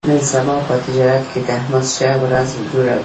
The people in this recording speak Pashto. نن سبا په تجارت کې د احمد ښه ورځ جوړه ده.